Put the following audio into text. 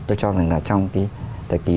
tôi cho rằng là trong cái thời kỳ